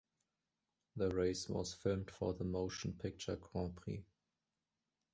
The race was filmed for the motion picture "Grand Prix".